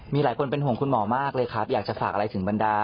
มีหลายคนเป็นห่วงคุณหมอมากเลยครับอยากจะฝากอะไรถึงบรรดา